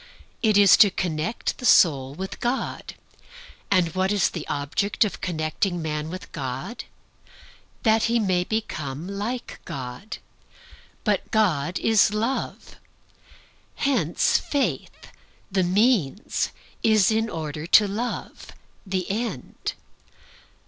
It is to connect the soul with God. And what is the object of connecting man with God? That he may become like God. But God is Love. Hence Faith, the means, is in order to Love, the end.